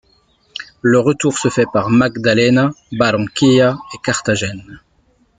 Le retour se fait par Magdalena, Barranquilla et Carthagène.